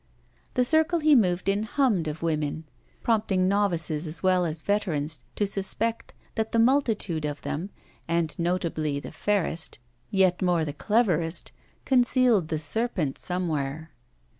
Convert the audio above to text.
The circle he moved in hummed of women, prompting novices as well as veterans to suspect that the multitude of them, and notably the fairest, yet more the cleverest, concealed the serpent somewhere.